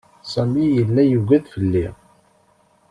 Sami yella yuggad fell-i.